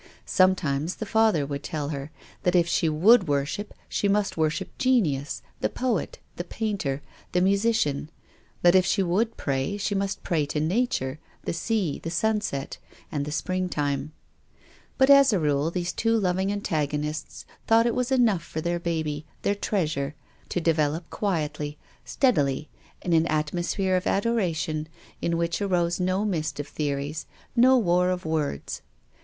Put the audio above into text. Sometimes the father would tell her that if she would worship she must worship genius, the poet, the painter, the musician ; that if she would pray she must pray to Nature, the sea, the sunset and the sj)ringtime. But as a rule these two loving antagonists thought it was enough f(jr their baby, their treasure, to develop quietly, steadily, in an atmosphere of adoration, in which arose no mist of theories, no war of words.